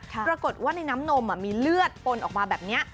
ปรากฏว่าในน้ำนมมีเลือดปนออกมาแบบนี้